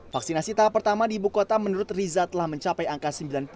vaksinasi tahap pertama di ibu kota menurut riza telah mencapai angka sembilan puluh sembilan